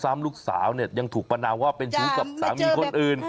ซ้ำลูกสาวยังถูกประนาบว่าเป็นสู้กับสามีคนอื่น